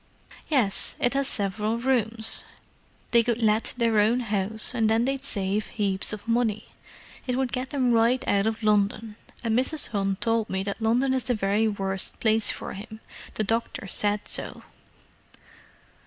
"Yes—it has several rooms. They could let their own house, and then they'd save heaps of money. It would get them right out of London; and Mrs. Hunt told me that London is the very worst place for him—the doctors said so."